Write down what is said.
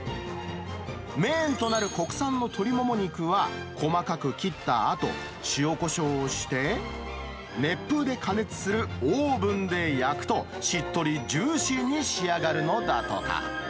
メインとなる国産の鶏もも肉は細かく切ったあと、塩こしょうをして、熱風で加熱するオーブンで焼くと、しっとりジューシーに仕上がるのだとか。